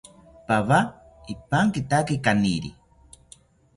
Pawa ipankitaki kaniri